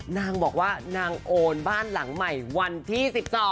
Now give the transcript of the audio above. นางบอกว่านางโอนบ้านหลังใหม่วันที่๑๒